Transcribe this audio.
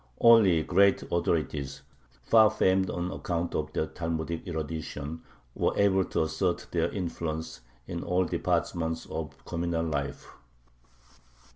Only great authorities, far famed on account of their Talmudic erudition, were able to assert their influence in all departments of communal life.